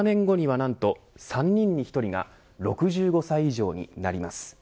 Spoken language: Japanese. ７年後には、なんと３人に１人が６５歳以上になります。